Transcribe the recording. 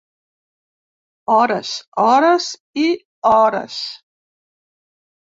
Hores, hores i hores.